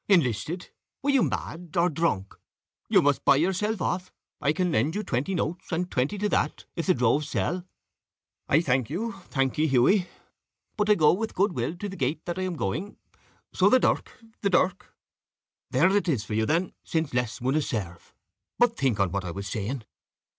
"Enlisted! Were you mad or drunk? You must buy yourself off. I can lend you twenty notes, and twenty to that, if the drove sell." "I thank you thank ye, Hughie; but I go with good will the gate that I am going; so the dirk the dirk!" "There it is for you then, since less wunna serve. But think on what I was saying.